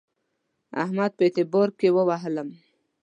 احمد په اعتبار کې ووهلم.